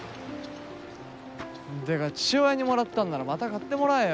てか父親にもらったんならまた買ってもらえよ。